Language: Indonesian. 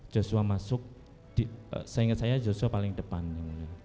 joshua masuk seingat saya joshua paling depan yang mulia